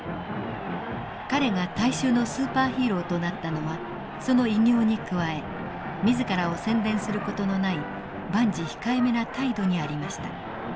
彼が大衆のスーパーヒーローとなったのはその偉業に加え自らを宣伝する事のない万事控えめな態度にありました。